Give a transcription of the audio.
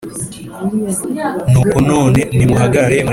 Nuko none nimuhagarare murebe iki kintu